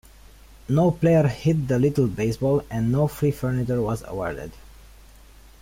No player hit the little baseball, and no free furniture was awarded.